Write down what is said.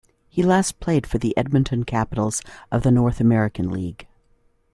He last played for the Edmonton Capitals of the North American League.